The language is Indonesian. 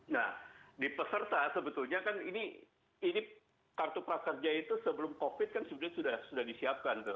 nah di peserta sebetulnya kan ini kartu prakerja itu sebelum covid kan sebenarnya sudah disiapkan tuh